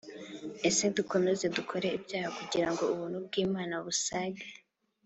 Ese dukomeze dukore ibyaha kugira ngo Ubuntu bw’Imana busage